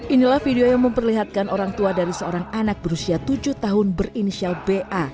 inilah video yang memperlihatkan orang tua dari seorang anak berusia tujuh tahun berinisial ba